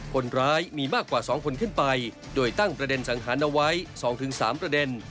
คนร้ายมีมากกว่า๒คนขึ้นไปโดยตั้งประเด็นสังหารเอาไว้๒๓ประเด็น